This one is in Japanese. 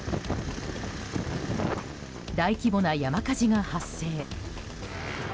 大規模な山火事が発生。